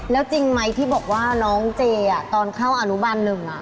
แล้วจริงไหมที่บอกว่าน้องเจตอนเข้าอนุบันหนึ่ง